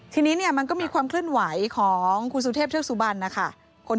ทีนี้มันก็มีความคลื่นไหวของคุณสุเทพเชิกสุบัน